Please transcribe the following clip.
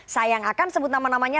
saya yang akan sebut nama namanya